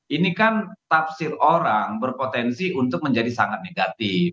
ini kan tafsir orang berpotensi untuk menjadi sangat negatif